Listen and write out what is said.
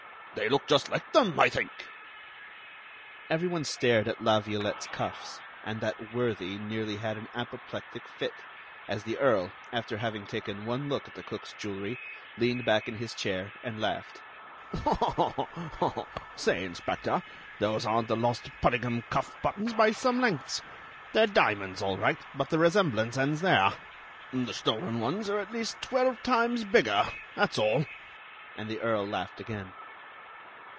They look just like them, Hi think." Every one stared at La Violette's cuffs, and that worthy nearly had an apoplectic fit, as the Earl, after having taken one look at the cook's jewelry, leaned back in his chair and laughed. "Say, Inspector, those aren't the lost Puddingham cuff buttons by some lengths. They're diamonds, all right, but the resemblance ends there. The stolen ones are at least twelve times bigger; that's all." And the Earl laughed again.